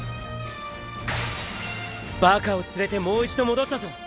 バカを連れてもう一度戻ったぞ純太！！